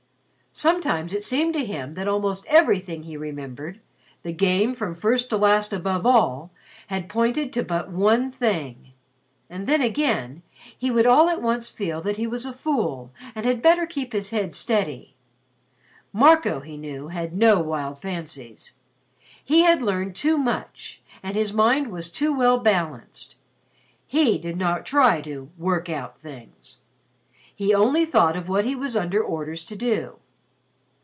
Sometimes it seemed to him that almost everything he remembered the Game from first to last above all had pointed to but one thing. And then again he would all at once feel that he was a fool and had better keep his head steady. Marco, he knew, had no wild fancies. He had learned too much and his mind was too well balanced. He did not try to "work out things." He only thought of what he was under orders to do.